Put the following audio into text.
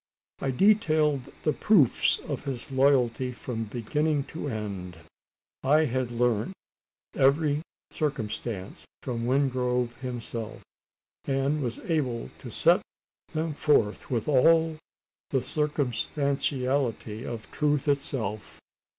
I detailed the proofs of his loyalty from beginning to end. I had learnt every circumstance from Wingrove himself, and was able to set them forth with all the circumstantiality of truth itself.